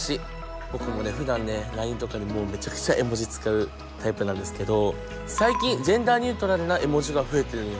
僕もねふだんねＬＩＮＥとかでもうめちゃくちゃ絵文字使うタイプなんですけど最近ジェンダーニュートラルな絵文字が増えてるんやって。